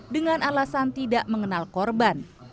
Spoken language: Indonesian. dengan alasan tidak mengenal korban